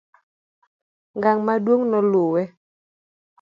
ng'ang' maduong' noluwe